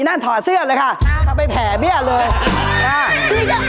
นี่นั่นถอดเสื้อเลยค่ะจะไปแผ่เบี้ยเลย